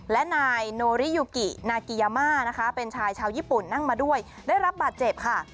และนายโนริยูกินากิยามานะคะเป็นชายชาวญี่ปุ่นนั่งมาด้วยได้รับบาดเจ็บค่ะ